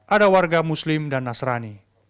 ada warga muslim dan nasrani